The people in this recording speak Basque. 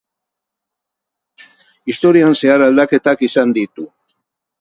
Historian zehar aldaketak izan ditu.